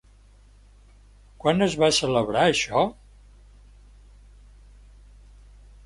Quan es va celebrar això?